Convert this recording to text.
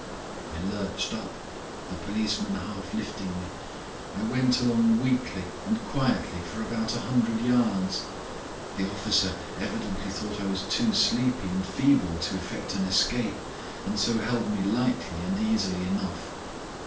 "I lurched up, the policeman half lifting me. I went along weakly and quietly for about a hundred yards. The officer evidently thought that I was too sleepy and feeble to effect an escape, and so held me lightly and easily enough.